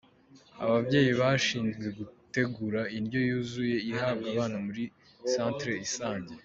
Ababyeyi bashinzwe gutegura indyo yuzuzye ihabwa abana muri Centre Isange.